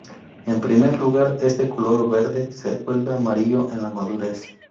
En primer lugar, es de color verde, se vuelve a amarillo en la madurez.